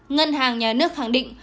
ngân hàng nhà nước khẳng định